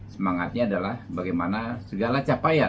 semangatnya adalah bagaimana segala capaian